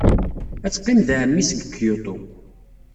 Ad teqqim ed ɛemmi-s deg Kyoto.